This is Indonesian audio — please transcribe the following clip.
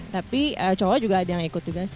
tapi cowok juga ada yang ikut juga sih